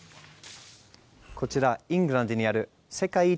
こちらイングランドにある世界一